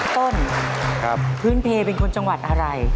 ต้นพื้นเพลเป็นคนจังหวัดอะไร